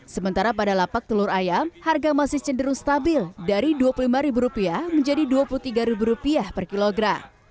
sementara pada lapak telur ayam harga masih cenderung stabil dari rp dua puluh lima menjadi rp dua puluh tiga per kilogram